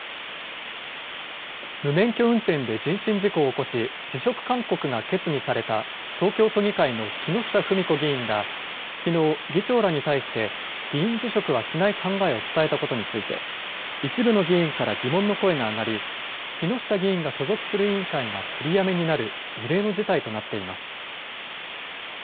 無免許運転で人身事故を起こし、辞職勧告が決議された東京都議会の木下富美子議員がきのう、議長らに対して、議員辞職はしない考えを伝えたことについて、一部の議員から疑問の声が上がり、木下議員が所属する委員会が取りやめになる異例の事態となっています。